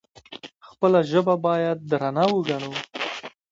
خپله ژبه باید درنه وګڼو.